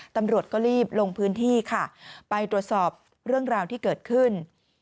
ตำรวจก็รีบลงพื้นที่ค่ะไปตรวจสอบเรื่องราวที่เกิดขึ้น